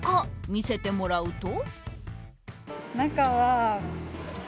見せてもらうと。